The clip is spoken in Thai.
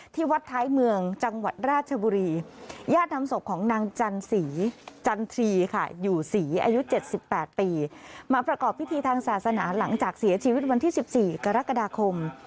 วัดท้ายเมืองจังหวัดราชบุรีญาตินำศพของนางจันสีจันทรีค่ะอยู่ศรีอายุ๗๘ปีมาประกอบพิธีทางศาสนาหลังจากเสียชีวิตวันที่๑๔กรกฎาคม